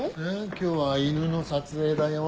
今日は犬の撮影だよ。